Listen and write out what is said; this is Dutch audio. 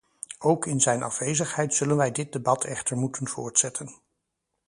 Ook in zijn afwezigheid zullen wij dit debat echter moeten voortzetten.